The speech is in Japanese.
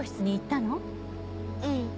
うん。